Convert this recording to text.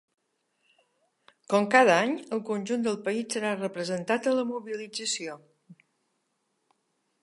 Com cada any, el conjunt del país serà representat a la mobilització.